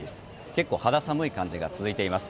結構肌寒い感じが続いています。